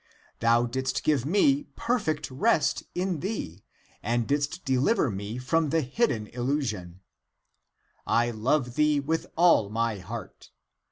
Thou didst give me perfect rest in thee, and didst dehver me from the hidden illusion. I love thee with all my heart.